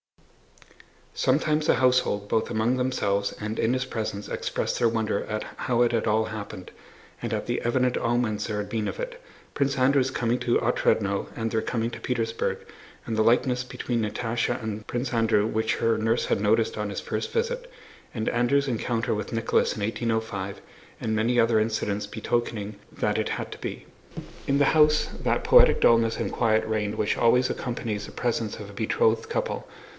Sometimes the household both among themselves and in his presence expressed their wonder at how it had all happened, and at the evident omens there had been of it: Prince Andrew's coming to Otrádnoe and their coming to Petersburg, and the likeness between Natásha and Prince Andrew which her nurse had noticed on his first visit, and Andrew's encounter with Nicholas in 1805, and many other incidents betokening that it had to be. In the house that poetic dullness and quiet reigned which always accompanies the presence of a betrothed couple.